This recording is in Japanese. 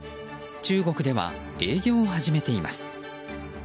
中国では営業を始めています。